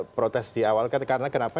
protes di awal karena kenapa